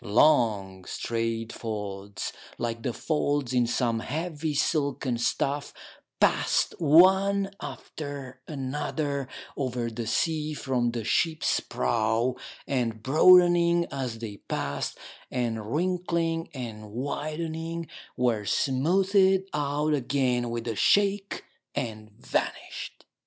Long, straight folds, like the folds in some heavy silken stuff, passed one after another over the sea from the ship's prow, and broadening as they passed, and wrinkling and widening, were smoothed out again with a shake, and vanished.